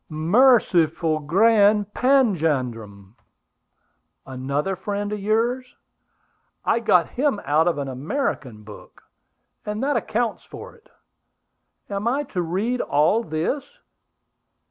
"Merciful Grand Panjandrum!" "Another friend of yours!" "I got him out of an American book; and that accounts for it! Am I to read all this?